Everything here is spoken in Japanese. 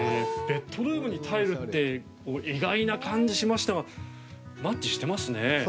ベッドルームにタイルって意外な感じがしましたがマッチしてますね。